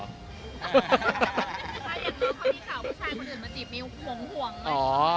ถ้ายังมองเขามีข่าวผู้ชายคนอื่นมาจีบมีหวงห่วงเลย